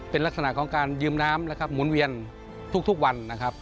เป็นลักษณะของการยืมน้ำนะครับหมุนเวียนทุกวันนะครับ